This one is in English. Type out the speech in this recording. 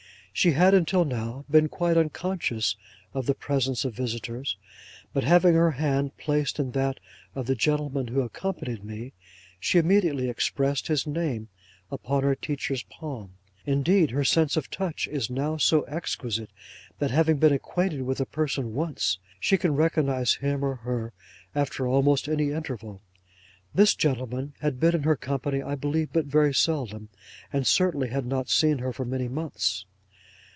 She had, until now, been quite unconscious of the presence of visitors; but, having her hand placed in that of the gentleman who accompanied me, she immediately expressed his name upon her teacher's palm. Indeed her sense of touch is now so exquisite, that having been acquainted with a person once, she can recognise him or her after almost any interval. This gentleman had been in her company, I believe, but very seldom, and certainly had not seen her for many months.